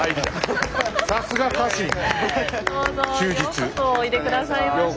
ようこそおいで下さいました。